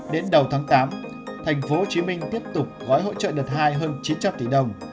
đến đầu tháng tám thành phố hồ chí minh tiếp tục gói hỗ trợ đợt hai hơn chín trăm linh tỷ đồng